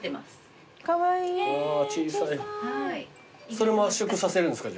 それも圧縮させるんですかじゃあ。